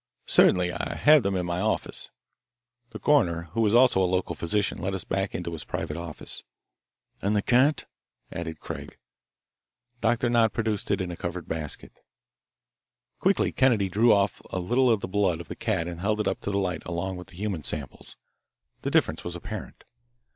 "Certainly. I have them in my office." The coroner, who was also a local physician, led us back into his private office. "And the cat?" added Craig. Doctor Nott produced it in a covered basket. Quickly Kennedy drew off a little of the blood of the cat and held it up to the light along with the human samples. The difference was apparent.